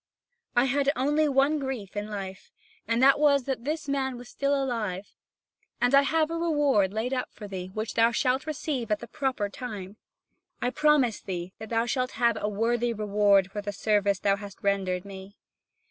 I had only one grief in life, and that was that this man was still alive. I have a reward laid up for thee which thou shalt receive at the proper time. I promise thee that thou shalt have a worthy reward for the service thou hast rendered me.